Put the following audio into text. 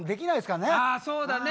あそうだね。